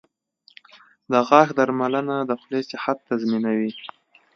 • د غاښونو درملنه د خولې صحت تضمینوي.